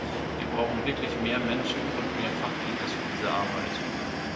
Wir brauchen wirklich mehr Menschen und mehr Fachkenntnis für diese Arbeit.